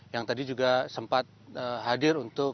yang tadi juga sempat hadir untuk